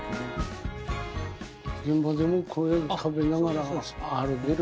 現場でもこれ食べながら歩けるね。